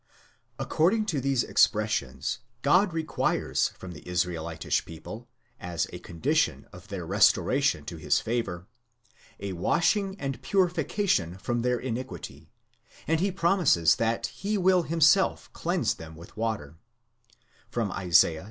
According to these expressions, God requires from the Israelitish people, as a condition of their restoration to his favour, a washing and purification from their iniquity, and he promises that he will himself cleanse them with water (Isaiah 1.